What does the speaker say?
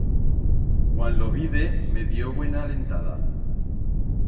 Cuan lo vide, me dio buena alentada.